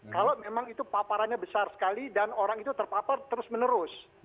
kalau memang itu paparannya besar sekali dan orang itu terpapar terus menerus